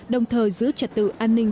đồng thời giữ trật tự an ninh